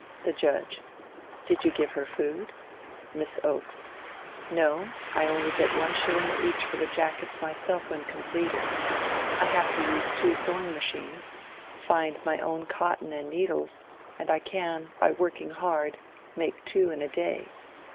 The Judge: Did you give her her food? Miss Oaks: No; I only get one shilling each for the jackets myself when completed. I have to use two sewing machines, find my own cotton and needles, and I can, by working hard, make two in a day.